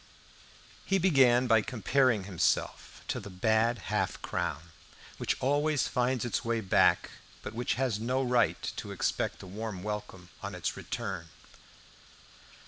He began by comparing himself to the bad half crown, which always finds its way back, but which has no right to expect a warm welcome on its return.